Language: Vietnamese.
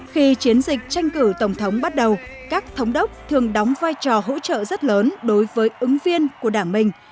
khi chiến dịch tranh cử tổng thống bắt đầu các thống đốc thường đóng vai trò hỗ trợ rất lớn đối với ứng viên của đảng mình